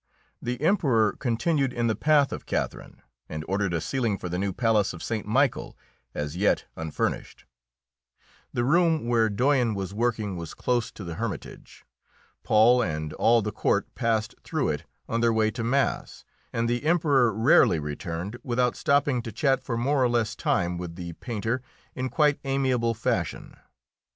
The Emperor continued in the path of Catherine, and ordered a ceiling for the new palace of St. Michael, as yet unfurnished. The room where Doyen was working was close to the Hermitage. Paul and all the court passed through it on their way to mass, and the Emperor rarely returned without stopping to chat for more or less time with the painter in quite amiable fashion.